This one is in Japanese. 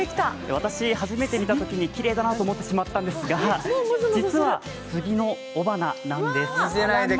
私、初めて見たときにきれいだなと思ってしまったんですが実はスギの雄花なんです。